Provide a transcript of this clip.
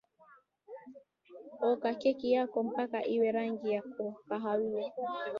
oka keki yako mpaka iwe rangi ya kahawia